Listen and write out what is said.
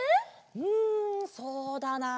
うんそうだなあ。